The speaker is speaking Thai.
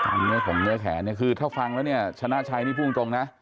อันนี้ของเมืองแขนคือถ้าฟังแล้วชนะชัยนี่พูดตรงนะ